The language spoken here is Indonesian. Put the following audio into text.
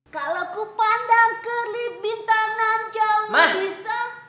kalau ku pandang ke libin tanam jauh bisa